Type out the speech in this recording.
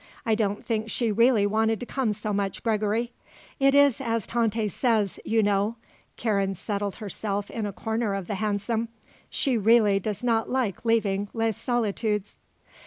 I don't think she really wanted to come so much, Gregory. It is as Tante says, you know," Karen settled herself in a corner of the hansom, "she really does not like leaving Les Solitudes."